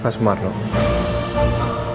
masih masih yakin